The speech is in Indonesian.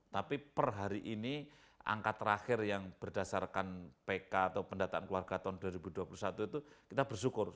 tapi per hari ini angka terakhir yang berdasarkan pk atau pendataan keluarga tahun dua ribu dua puluh satu itu kita bersyukur